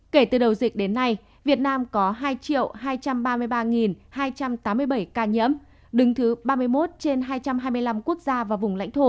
kể từ đầu dịch đến nay việt nam có hai hai trăm ba mươi ba hai trăm tám mươi bảy ca nhiễm đứng thứ ba mươi một trên hai trăm hai mươi năm quốc gia và vùng lãnh thổ